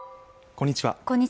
こんにちは